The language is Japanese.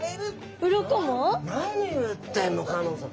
何を言ってんの香音さん。